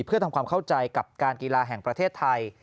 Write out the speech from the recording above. เพื่อทำความเข้าใจกับการกีฬาแห่งประเทศไทย